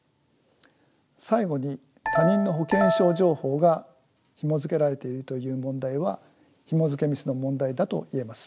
最後に他人の保険証情報がひもづけられているという問題はひもづけミスの問題だと言えます。